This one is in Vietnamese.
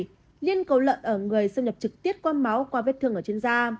bệnh liên cổ lợn ở người xâm nhập trực tiết qua máu qua vết thương ở trên da